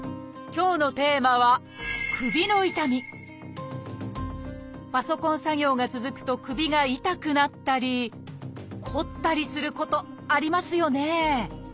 今日のテーマはパソコン作業が続くと首が痛くなったり凝ったりすることありますよね？